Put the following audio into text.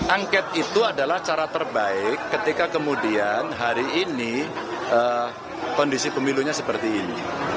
angket itu adalah cara terbaik ketika kemudian hari ini kondisi pemilunya seperti ini